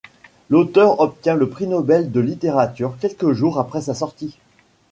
L'auteur obtient le Prix Nobel de littérature quelques jours après sa sortie.